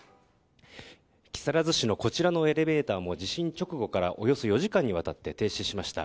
木更津市のこちらのエレベーターも地震直後からおよそ４時間にわたって停止しました。